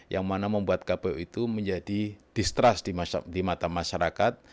yang mana membuat kpu itu menjadi distrust di mata masyarakat